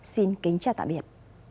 xin kính chào tạm biệt